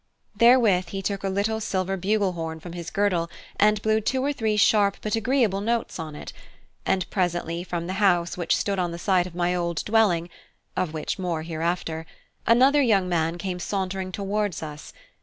Therewith he took a little silver bugle horn from his girdle and blew two or three sharp but agreeable notes on it; and presently from the house which stood on the site of my old dwelling (of which more hereafter) another young man came sauntering towards us.